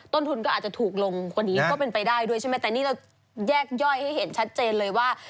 ต้นทุนก็อาจจะถูกลงกว่านี้ก็เป็นไปได้ด้วยใช่ไหมแต่นี่เราแยกย่อยให้เห็นชัดเจนเลยว่า